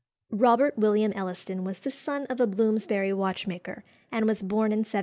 Robert William Elliston was the son of a Bloomsbury watchmaker, and was born in 1774.